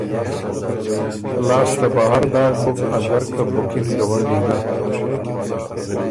لاسته بهر داک بُک اګر که بُکِن ګوَنډي ګۀ۔